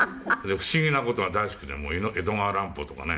不思議な事が大好きで江戸川乱歩とかね